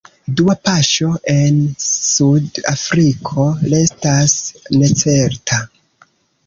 Dua paŝo en Sud-Afriko restas necerta.